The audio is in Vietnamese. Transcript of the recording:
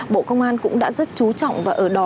bộ công an cũng đã rất chú trọng và ở đó